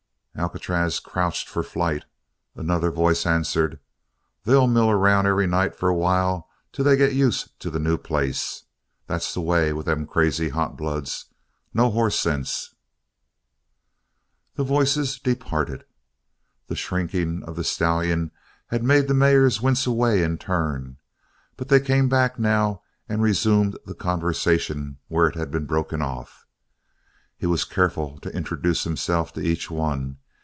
Alcatraz crouched for flight. Another voice answered: "They'll mill around every night for a while till they get used to the new place. That's the way with them crazy hot bloods. No hoss sense." The voices departed. The shrinking of the stallion had made the mares wince away in turn, but they came back now and resumed the conversation where it had been broken off. He was careful to introduce himself to each one.